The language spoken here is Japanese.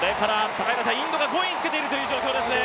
インドが５位につけているという状況ですね。